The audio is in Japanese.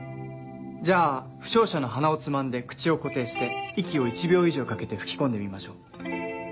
じゃあ負傷者の鼻をつまんで口を固定して息を１秒以上かけて吹き込んでみましょう。